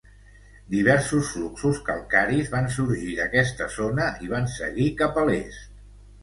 Diversos fluxos calcaris van sorgir d'aquesta zona i van seguir cap a l'est.